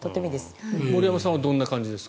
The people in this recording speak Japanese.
森山さんはどんな感じですか？